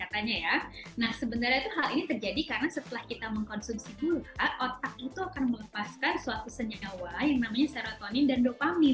tak hai otak foundation nyawa yang namanya serotonin dan dopamin